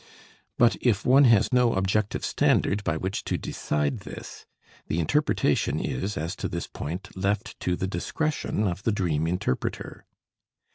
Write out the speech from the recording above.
But if one has no objective standard by which to decide this, the interpretation is, as to this point, left to the discretion of the dream interpreter.